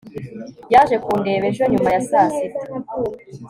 yaje kundeba ejo nyuma ya saa sita